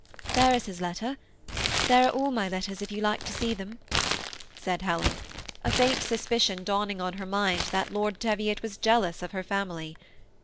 ^ There is his letter ; there are all my letters, if you like to see them," said Helen — a faint suspicion dawn^ ing on her mind that Lord Teviot was jeak>us of her family.